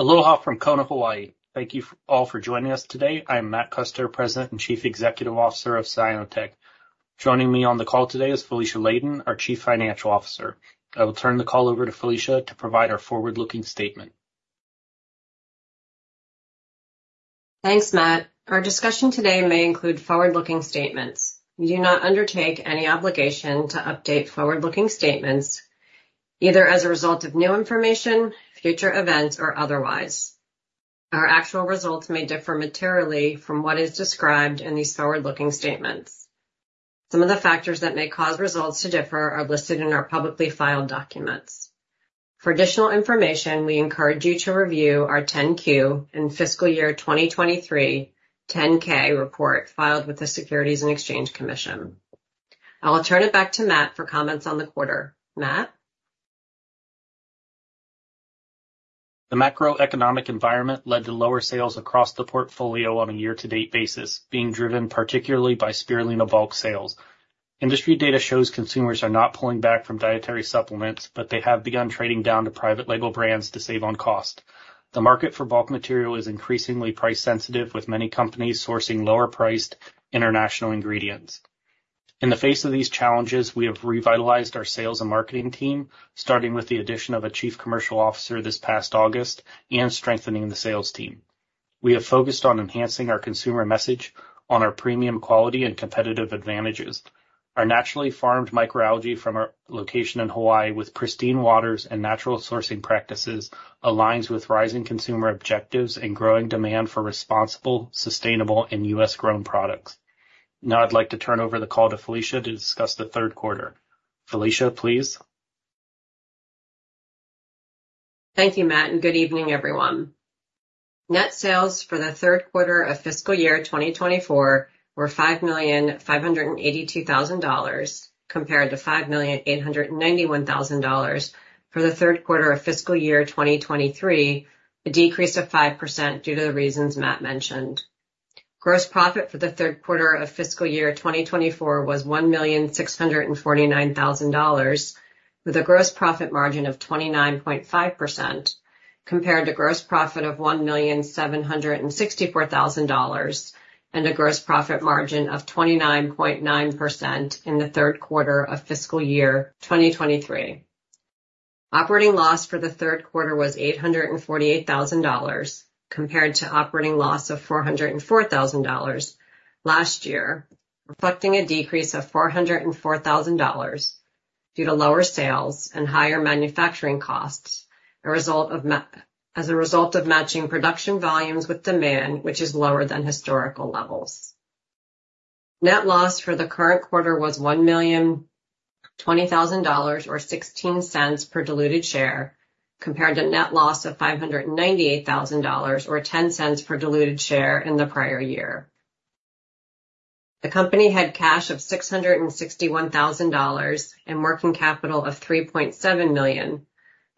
Aloha from Kona, Hawaii. Thank you all for joining us today. I am Matt Custer, President and Chief Executive Officer of Cyanotech. Joining me on the call today is Felicia Ladin, our Chief Financial Officer. I will turn the call over to Felicia to provide our forward-looking statement. Thanks, Matt. Our discussion today may include forward-looking statements. We do not undertake any obligation to update forward-looking statements, either as a result of new information, future events, or otherwise. Our actual results may differ materially from what is described in these forward-looking statements. Some of the factors that may cause results to differ are listed in our publicly filed documents. For additional information, we encourage you to review our 10-Q and Fiscal Year 2023 10-K report filed with the Securities and Exchange Commission. I'll turn it back to Matt for comments on the quarter. Matt? The macroeconomic environment led to lower sales across the portfolio on a year-to-date basis, being driven particularly by spirulina bulk sales. Industry data shows consumers are not pulling back from dietary supplements, but they have begun trading down to private label brands to save on cost. The market for bulk material is increasingly price-sensitive, with many companies sourcing lower-priced international ingredients. In the face of these challenges, we have revitalized our sales and marketing team, starting with the addition of a Chief Commercial Officer this past August and strengthening the sales team. We have focused on enhancing our consumer message on our premium quality and competitive advantages. Our naturally farmed microalgae from our location in Hawaii, with pristine waters and natural sourcing practices, aligns with rising consumer objectives and growing demand for responsible, sustainable, and U.S.-grown products. Now I'd like to turn over the call to Felicia to discuss the third quarter. Felicia, please. Thank you, Matt, and good evening, everyone. Net sales for the third quarter of fiscal year 2024 were $5,582,000, compared to $5,891,000 for the third quarter of fiscal year 2023, a decrease of 5% due to the reasons Matt mentioned. Gross profit for the third quarter of fiscal year 2024 was $1,649,000, with a gross profit margin of 29.5%, compared to gross profit of $1,764,000 and a gross profit margin of 29.9% in the third quarter of fiscal year 2023. Operating loss for the third quarter was $848,000, compared to operating loss of $404,000 last year, reflecting a decrease of $404,000 due to lower sales and higher manufacturing costs as a result of matching production volumes with demand, which is lower than historical levels. Net loss for the current quarter was $1,020,000 or $0.16 per diluted share, compared to net loss of $598,000 or $0.10 per diluted share in the prior year. The company had cash of $661,000 and working capital of $3.7 million,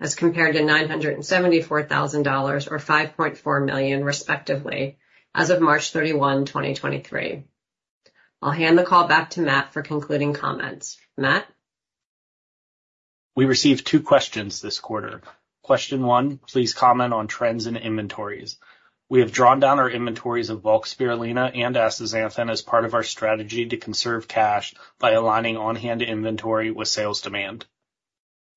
as compared to $974,000 or $5.4 million, respectively, as of March 31, 2023. I'll hand the call back to Matt for concluding comments. Matt? We received two questions this quarter. Question one, please comment on trends in inventories. We have drawn down our inventories of bulk spirulina and astaxanthin as part of our strategy to conserve cash by aligning on-hand inventory with sales demand.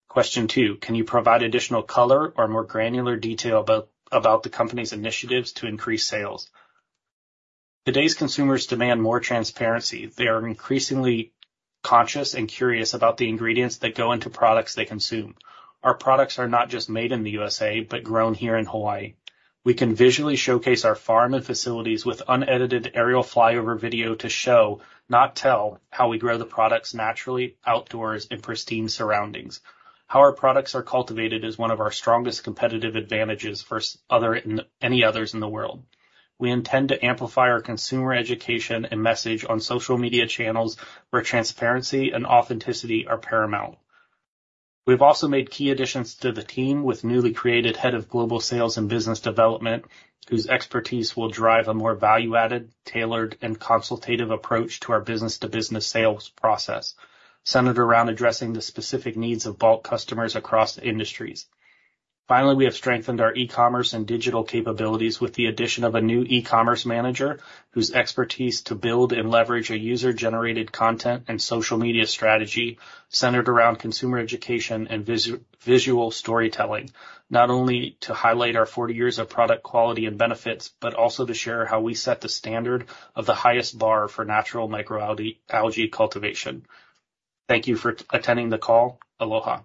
Question two, can you provide additional color or more granular detail about the company's initiatives to increase sales? Today's consumers demand more transparency. They are increasingly conscious and curious about the ingredients that go into products they consume. Our products are not just made in the USA but grown here in Hawaii. We can visually showcase our farm and facilities with unedited aerial flyover video to show, not tell, how we grow the products naturally, outdoors, in pristine surroundings. How our products are cultivated is one of our strongest competitive advantages for any others in the world. We intend to amplify our consumer education and message on social media channels where transparency and authenticity are paramount. We've also made key additions to the team with newly created Head of Global Sales and Business Development, whose expertise will drive a more value-added, tailored, and consultative approach to our business-to-business sales process, centered around addressing the specific needs of bulk customers across industries. Finally, we have strengthened our e-commerce and digital capabilities with the addition of a new e-commerce manager, whose expertise to build and leverage a user-generated content and social media strategy centered around consumer education and visual storytelling, not only to highlight our 40 years of product quality and benefits but also to share how we set the standard of the highest bar for natural microalgae cultivation. Thank you for attending the call. Aloha.